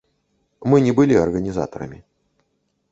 Мы не былі арганізатарамі.